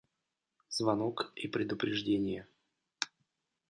Звонок и предупреждения